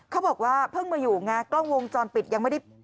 เขาบอกว่าเพิ่งมาอยู่ไงกล้องวงจรปิดยังไม่ได้